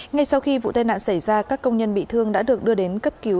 ngay sau khi vụ tai nạn xảy ra các công nhân bị thương đã được đưa đến cấp cứu